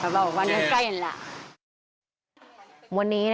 ไอ้แดงหรอนี่